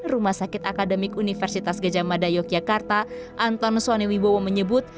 rumah sakit akademik universitas gejamada yogyakarta anton sonewibowo menyebut